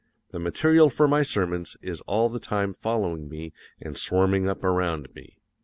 The material for my sermons is all the time following me and swarming up around me."